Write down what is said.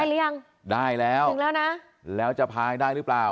หรือยังได้แล้วถึงแล้วนะแล้วจะพายได้หรือเปล่า